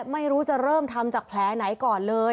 ไม่รู้จะเริ่มทำจากแผลไหนก่อนเลย